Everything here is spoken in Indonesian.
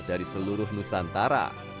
dari seluruh nusantara